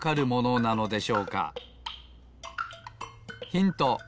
ヒント